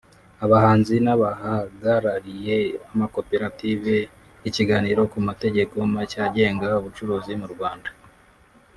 abahanzi n’abahagarariye amakoperative ikiganiro ku mategeko mashya agenga ubucuruzi mu Rwanda